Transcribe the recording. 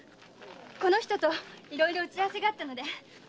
この人といろいろ打ち合わせがあったので。